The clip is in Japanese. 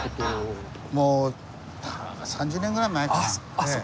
もう３０年ぐらい前かな。